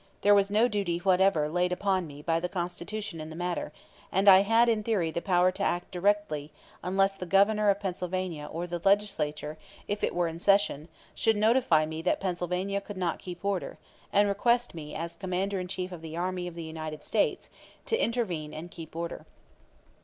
There was no duty whatever laid upon me by the Constitution in the matter, and I had in theory the power to act directly unless the Governor of Pennsylvania or the Legislature, if it were in session, should notify me that Pennsylvania could not keep order, and request me as commander in chief of the army of the United States to intervene and keep order.